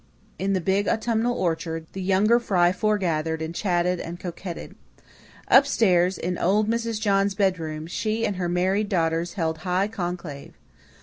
In the big autumnal orchard the younger fry foregathered and chatted and coquetted. Up stairs, in "old" Mrs. John's bedroom, she and her married daughters held high conclave.